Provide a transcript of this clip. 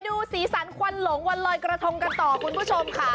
สีสันควันหลงวันลอยกระทงกันต่อคุณผู้ชมค่ะ